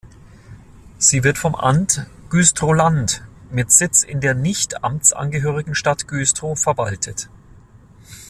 Sie wird vom Amt Güstrow-Land mit Sitz in der nicht amtsangehörigen Stadt Güstrow verwaltet.